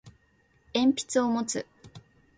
鉛筆を持つ